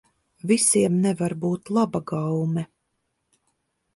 Visiem nevar būt laba gaume.